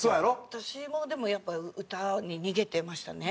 私もでもやっぱ歌に逃げてましたね苦手で。